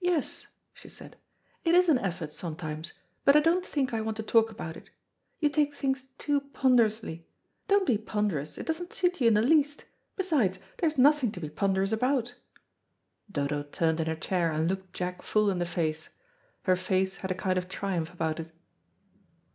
"Yes," she said, "it is an effort sometimes, but I don't think I want to talk about it. You take things too ponderously. Don't be ponderous; it doesn't suit you in the least. Besides, there is nothing to be ponderous about." Dodo turned in her chair and looked Jack full in the face. Her face had a kind of triumph about it.